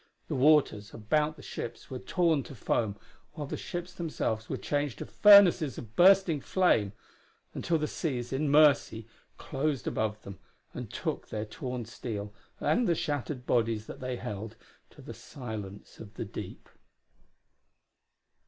The waters about the ships were torn to foam, while the ships themselves were changed to furnaces of bursting flame until the seas in mercy closed above them and took their torn steel, and the shattered bodies that they held, to the silence of the deep....